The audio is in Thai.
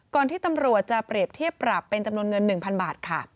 ที่ตำรวจจะเปรียบเทียบปรับเป็นจำนวนเงิน๑๐๐๐บาทค่ะ